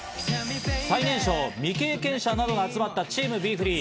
最年少、未経験者などが集まったチームＢｅＦｒｅｅ。